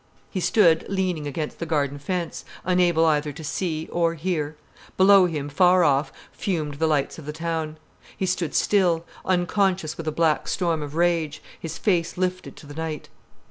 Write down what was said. He stood leaning against the garden fence, unable either to see or hear. Below him, far off, fumed the lights of the town. He stood still, unconscious with a black storm of rage, his face lifted to the night.